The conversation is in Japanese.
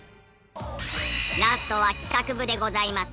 ラストは帰宅部でございます。